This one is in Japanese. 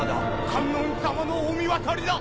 観音様の御神渡りだ！